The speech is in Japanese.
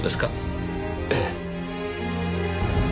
ええ。